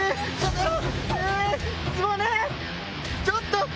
ちょっと！